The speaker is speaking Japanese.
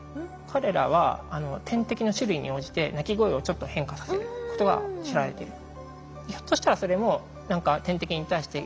彼らは天敵の種類に応じて鳴き声をちょっと変化させることが知られている。